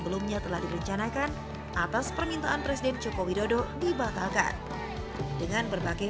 pengucapan sumpah presiden republik indonesia